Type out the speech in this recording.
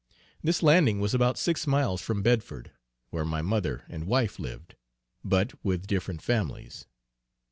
This landing was about six miles from Bedford, where my mother and wife lived, but with different families.